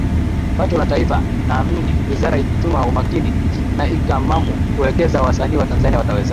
pato la taifa Naamni wizara ikitumia umakini na ikamamu kuwekeza wasanii wa Tanzania wataweza